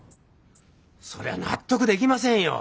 そりゃ納得できませんよ。